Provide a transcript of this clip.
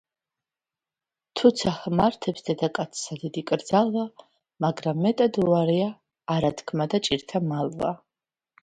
თუცა ჰმართებს დედაკაცსა დიდი კრძალვა, მაგრა მეტად უარეა არა- თქმა და ჭირთა მალვა